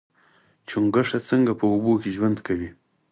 چنډخه څنګه په اوبو کې ژوند کوي؟